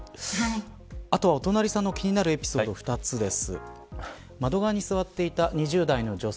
あとは、お隣さんの気になるエピソード、２つです。